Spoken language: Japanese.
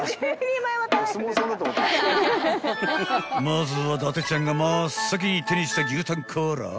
［まずは伊達ちゃんが真っ先に手にした牛タンから］